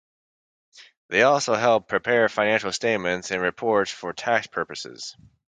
They also help prepare financial statements and reports for tax purposes.